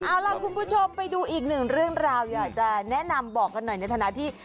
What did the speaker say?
เอาล่ะคุณผู้ชมไปดูอีกหนึ่งเรื่องราวอยากจะแนะนำบอกกันหน่อยในฐานะที่